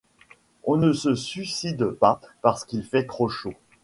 On ne se suicide pas parce qu’il fait trop chaud !…